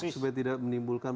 supaya tidak menimbulkan